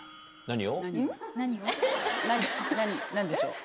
何でしょう？